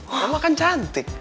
mama kan cantik